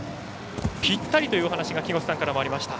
ぴったりというお話が木越さんからありました。